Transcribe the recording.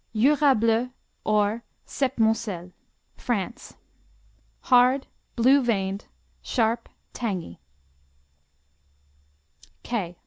Jura Bleu, or Septmoncel France Hard: blue veined; sharp; tangy.